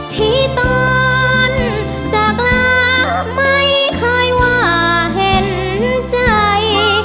ที่ตอนจากลาไม่เคยว่าเห็นใจ